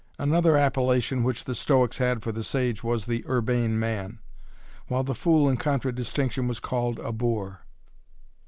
Another appellation which the Stoics had for the sage was 'the urbane man', while the fool in contradistinction was called 'a boor'.